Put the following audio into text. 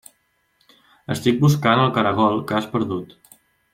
Estic buscant el caragol que has perdut.